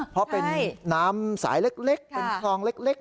เพราะเป็นน้ำสายเล็กเป็นคลองเล็ก